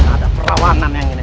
ada perawanan yang ini